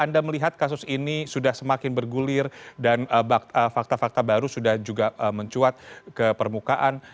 anda melihat kasus ini sudah semakin bergulir dan fakta fakta baru sudah juga mencuat ke permukaan